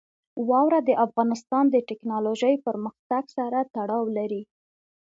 واوره د افغانستان د تکنالوژۍ پرمختګ سره تړاو لري.